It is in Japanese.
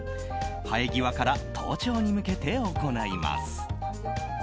生え際から頭頂に向けて行います。